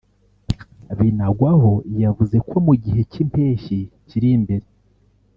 Binagwaho yavuze ko mu gihe cy’impeshyi kiri imbere